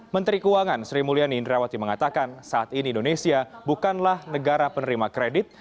menteri keuangan sri mulyani indrawati mengatakan saat ini indonesia bukanlah negara penerima kredit